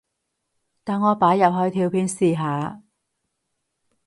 等我擺入去條片試下